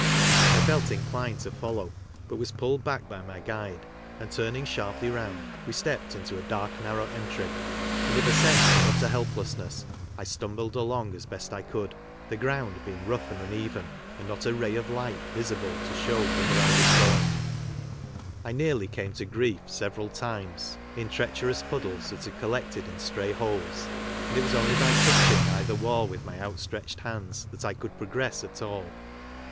I felt inclined to follow, but was pulled back by my guide, and turning sharply round we stepped into a I CRIMINAL MANCHESTER — LIFE IN CKABTER 8TIIEET, o •> dark narrow entry, and with a sense of utter help lessness I stumbled along as best I could, the ground being rough and uneven, and not a ray of light visible to show whither I was going. I nearly camo to grief several times in treacherous puddles that had collec ted in stray holes, and it was only by touching either wall with my outstretched* hands that I could progress at all.